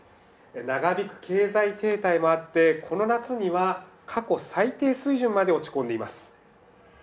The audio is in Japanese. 長引く経済停滞もあってこの夏には過去最低水準まで落ち込んでいます。